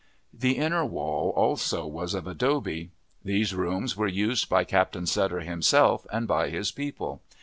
The inner wall also was of adobe. These rooms were used by Captain Sutter himself and by his people.